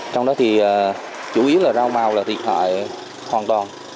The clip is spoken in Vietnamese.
trong đó thì chủ yếu là rau màu là thiệt hại hoàn toàn